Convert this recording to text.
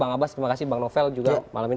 bang abbas terima kasih bang novel juga malam ini